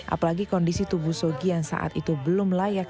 apalagi kondisi tubuh shogi yang saat itu belum layak